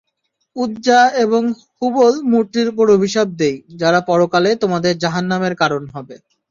উযযা এবং হুবল মূর্তির উপর অভিশাপ দিই, যারা পরকালে তোমাদের জাহান্নামের কারণ হবে।